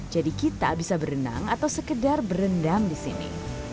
jadi kita bisa berenang atau sekedar berendam di sini